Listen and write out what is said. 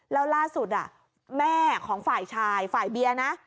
แล้วล่าสุดแม่ของฝ่ายชายฝ่ายเบียร์นะ